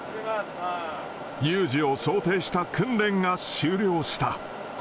有事を想定した訓練が終了した。